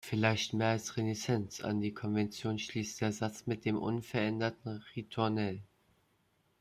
Vielleicht mehr als Reminiszenz an die Konvention schließt der Satz mit dem unveränderten Ritornell.